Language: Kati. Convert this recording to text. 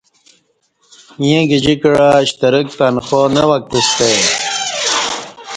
ییں گجی کعہ شترک تنخوا نہ وکتستہ ای